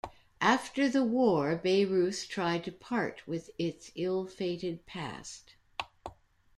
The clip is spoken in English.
After the war Bayreuth tried to part with its ill-fated past.